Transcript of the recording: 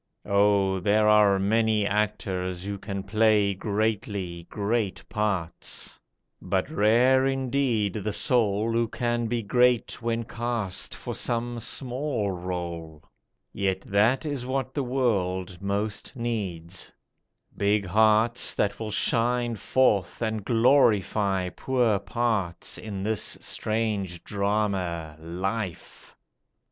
Oh there are many actors who can play Greatly, great parts; but rare indeed the soul Who can be great when cast for some small rôle; Yet that is what the world most needs; big hearts That will shine forth and glorify poor parts In this strange drama, Life!